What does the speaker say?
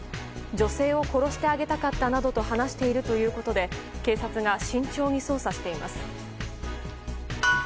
女性を殺してあげたかったなどと話しているということで警察が慎重に捜査しています。